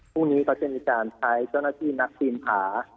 พรุ่งนี้เขาจะมีการใช้เจ้าหน้าที่นักปีนผา